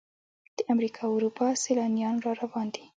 د امریکا او اروپا سیلانیان را روان دي.